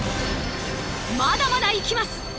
まだまだいきます！